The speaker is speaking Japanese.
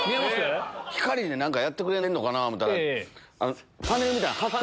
光で何かやってくれてんのかと思うたら。